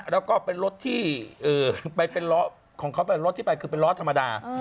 แล้วก็เป็นรถที่หมายเป็นรถที่เป็นรถธรรมดา